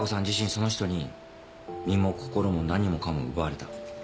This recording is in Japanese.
自身その人に身も心も何もかも奪われた。